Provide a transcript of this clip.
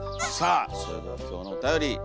さあそれでは今日のおたより。